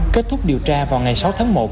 kết thúc điều tra vào ngày sáu tháng một